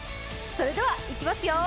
それではいきますよ